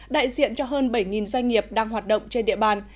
đại diện cho hơn bảy doanh nghiệp đang hoạt động trên địa bàn